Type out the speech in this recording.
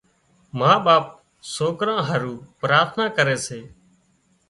ما ٻاپ سوڪران هارو پراٿنا ڪري سي